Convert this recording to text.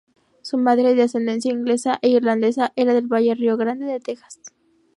Su madre, de ascendencia inglesa e irlandesa, era del Valle Rio Grande de Texas.